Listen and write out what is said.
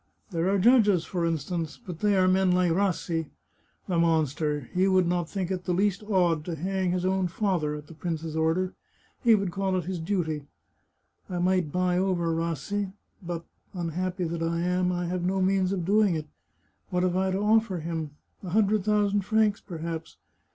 There are judges, for instance, but they are men like Rassi. The monster! He would not think it the least odd to hang his own father at the prince's order. ... He would call it his duty. ... I might buy over Rassi, but — unhappy that I am — I have no means of doing it. What have I to oflFer him ? A hundred thousand francs, perhaps.